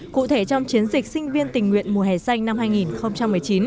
cụ thể trong chiến dịch sinh viên tình nguyện mùa hè xanh năm hai nghìn một mươi chín